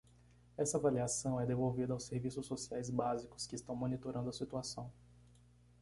Essa avaliação é devolvida aos serviços sociais básicos que estão monitorando a situação.